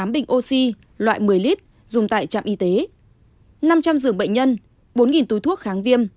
hai trăm một mươi tám bình oxy loại một mươi l dùng tại trạm y tế năm trăm linh giường bệnh nhân bốn túi thuốc kháng viêm